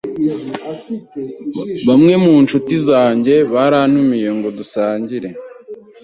Bamwe mu nshuti zanjye barantumiye ngo dusangire.